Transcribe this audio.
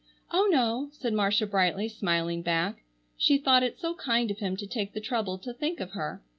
"Oh, no!" said Marcia brightly, smiling back. She thought it so kind of him to take the trouble to think of her.